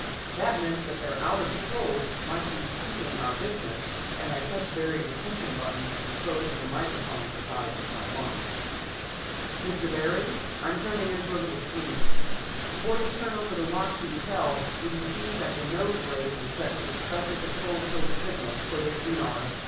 That meant that their outer patrols might be seeking our business, and I touched Barry's attention button, and spoke into the microphone beside my bunk. "Mr. Barry? I am turning in for a little sleep. Before you turn over the watch to Eitel, will you see that the nose rays are set for the Special Patrol code signal for this enar.